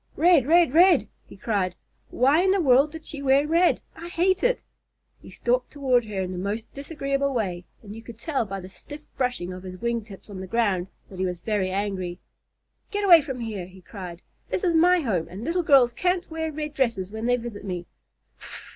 "Red red red!" he cried. "Why in the world did she wear red? I hate it!" He stalked toward her in his most disagreeable way, and you could tell by the stiff brushing of his wing tips on the ground that he was very angry. "Get away from here!" he cried. "This is my home and little girls can't wear red dresses when they visit me.